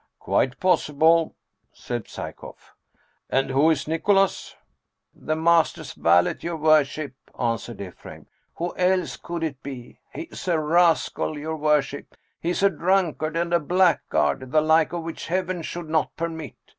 " Quite possible," said Psyekoff. " And who is Nicholas ?" 163 Russian Mystery Stories " The master's valet, your worship," answered Ephraim. " Who else could it be ? He's a rascal, your worship ! He's a drunkard and a blackguard, the like of which Heaven should not permit